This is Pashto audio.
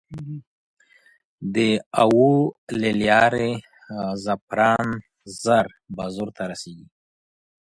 د هوا له لارې زعفران ژر بازار ته رسېږي.